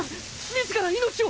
自ら命を！